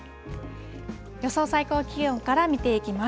予想最高気温から見ていきます。